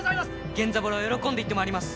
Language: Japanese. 源三郎喜んで行ってまいります。